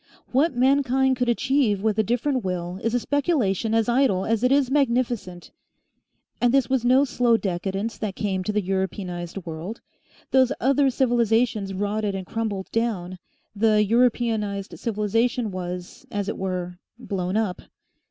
What mankind could achieve with a different will is a speculation as idle as it is magnificent. And this was no slow decadence that came to the Europeanised world; those other civilisations rotted and crumbled down, the Europeanised civilisation was, as it were, blown up.